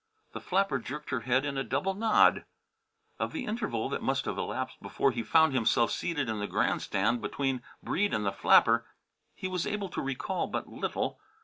The flapper jerked her head in a double nod. Of the interval that must have elapsed before he found himself seated in the grandstand between Breede and the flapper he was able to recall but little.